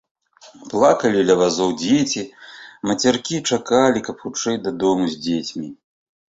Плакалі ля вазоў дзеці, мацяркі чакалі, каб хутчэй дадому з дзецьмі.